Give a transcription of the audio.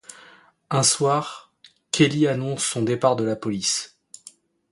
Un soir, Kelly annonce son départ de la police.